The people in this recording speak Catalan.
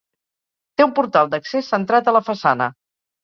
Té un portal d'accés centrat a la façana.